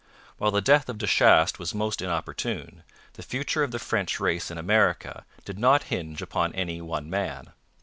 While the death of De Chastes was most inopportune, the future of the French race in America did not hinge upon any one man.